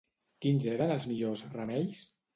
Quins eren els millors remeis?